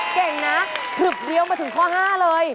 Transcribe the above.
เก่งนะผลึบเลี้ยวมาถึงข้อ๕เลย